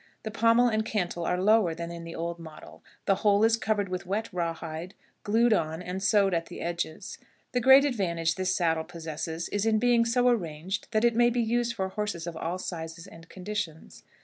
The pommel and cantle are lower than in the old model; the whole is covered with wet raw hide, glued on and sewed at the edges. The great advantage this saddle possesses is in being so arranged that it may be used for horses of all sizes and conditions.